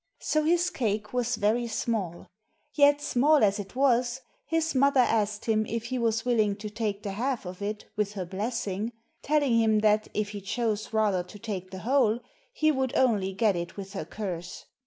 So his cake was very small ; yet small as it was, his mother asked him if he was willing to take the half of it with her blessing, telling him that, if he chose rather to take the whole, he would only get it with her curse.